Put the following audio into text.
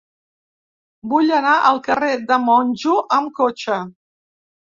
Vull anar al carrer de Monjo amb cotxe.